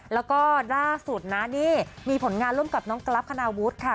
แล้วก็ล่าสุดนะนี่มีผลงานร่วมกับน้องกรัฟคณาวุฒิค่ะ